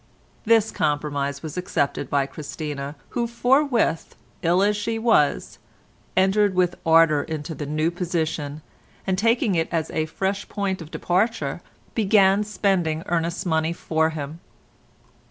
This compromise was accepted by Christina who forthwith, ill as she was, entered with ardour into the new position, and taking it as a fresh point of departure, began spending Ernest's money for him.